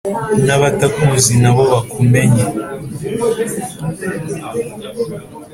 n`abatakuzi nabo bakumenye